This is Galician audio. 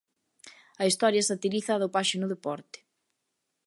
A historia satiriza a dopaxe no deporte.